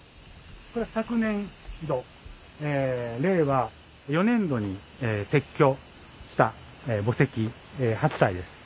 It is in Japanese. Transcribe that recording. これは昨年度令和４年度に撤去した墓石８基です。